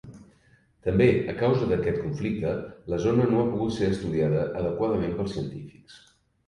També a causa d'aquest conflicte la zona no ha pogut ser estudiada adequadament pels científics.